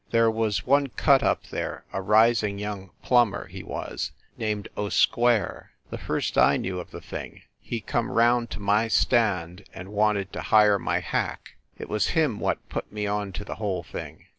There was one cut up there, a rising young plumber, he was, named O Square, and first I knew of the thing, he come round to my stand and wanted to hire my hack. It was him what put me onto the whole thing.